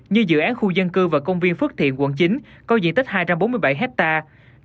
như dự án khu dân cư và công viên phước thiện quận chín có diện tích hai trăm bốn mươi bảy hectare